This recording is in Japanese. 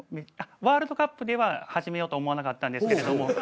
ワールドカップでは始めようと思わなかったんですけれども。